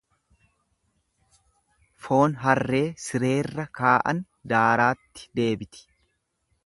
Foon harree sireerra kaa'an daaraatti deebiti.